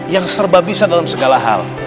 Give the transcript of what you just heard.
yang serba bisa dalam segala hal